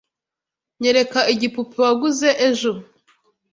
Nyereka igipupe waguze ejo.